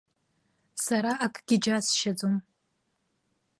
Сара акгьы џьасшьаӡом.